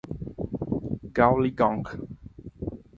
Gaoligong.